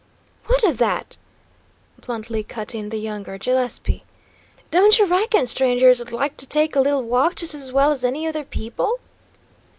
"What of that?" bluntly cut in the younger Gillespie. "Don't you reckon strangers'd like to take a little walk, just as well as any other people?"